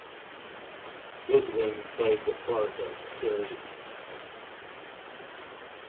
Goodwin played the part of Cherie.